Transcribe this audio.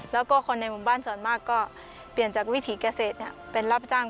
แล้วก็คนในหมู่บ้านส่วนมากก็เปลี่ยนจากวิถีเกษตรเป็นรับจ้าง